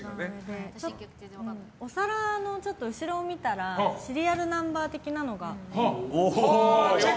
お皿の後ろを見たらシリアルナンバー的なのが。